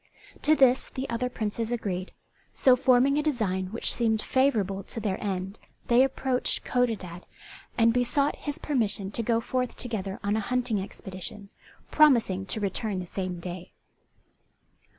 To this the other Princes agreed; so forming a design which seemed favourable to their end they approached Codadad, and besought his permission to go forth together on a hunting expedition, promising to return the same day.